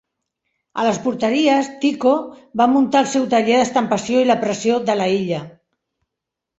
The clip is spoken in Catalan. A les porteries, Tycho va muntar el seu taller d"estampació i la pressió de la illa.